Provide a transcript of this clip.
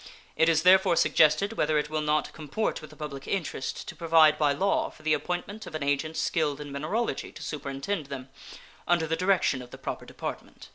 It is therefore suggested whether it will not comport with the public interest to provide by law for the appointment of an agent skilled in mineralogy to superintend them, under the direction of the proper department.